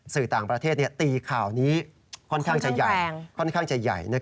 สื่อต่างประเทศตีข่าวนี้ค่อนข้างจะใหญ่